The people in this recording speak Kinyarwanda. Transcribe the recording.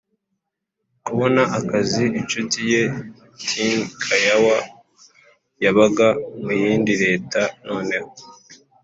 kubona akazi Inshuti ye Tun Kyaw yabaga mu yindi Leta noneho